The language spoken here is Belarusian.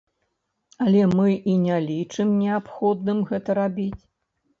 Але мы і не лічым неабходным гэта рабіць.